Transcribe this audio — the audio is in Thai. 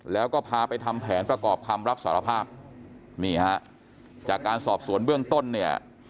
แล้วก็พาไปทำแผนประกอบคำรับสารภาพนี่ฮะจากการสอบสวนเบื้องต้นเนี่ย